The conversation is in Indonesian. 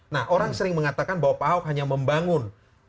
nah orang sering mengatakan bahwa pak ahok hanya membangun